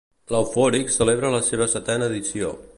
L'Eufònic celebra la seva setena edició.